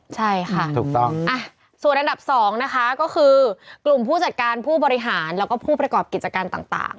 ใช่ค่ะถูกต้องส่วนอันดับ๒นะคะก็คือกลุ่มผู้จัดการผู้บริหารแล้วก็ผู้ประกอบกิจการต่าง